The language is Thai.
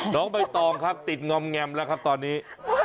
น้องใบตองครับติดงอมแงมแล้วครับตอนนี้